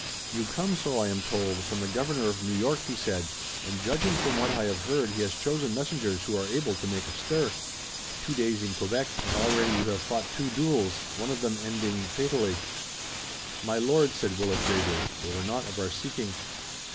"You come, so I am told, from the Governor of New York," he said, "and judging from what I have heard he has chosen messengers who are able to make a stir. Two days in Quebec and already you have fought two duels, one of them ending fatally." "My lord," said Willet, gravely, "they were not of our seeking."